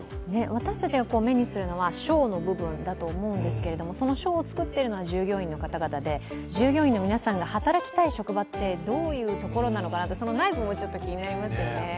私たちが目にするのはショーの部分だと思うんですけどそのショーを作っているのは従業員の方々で従業員の皆さんが働きたい職場って、どういうところなのか、内部もちょっと気になりますよね。